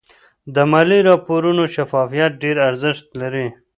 د مالي راپورونو شفافیت ډېر ارزښت لري.